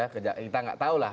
kita gak tahulah